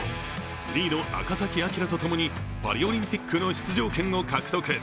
２位の赤崎暁とともにパリオリンピックの出場権を獲得。